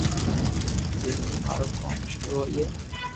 جي تو مارو ڪوم ݾروع ھوئي